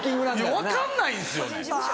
分かんないんですよね。